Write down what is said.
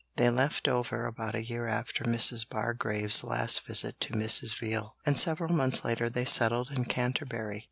They left Dover about a year after Mrs. Bargrave's last visit to Mrs. Veal, and several months later they settled in Canterbury.